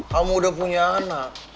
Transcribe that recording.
kamu udah punya anak